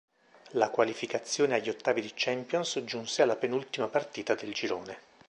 La qualificazione agli ottavi di Champions giunse alla penultima partita del girone.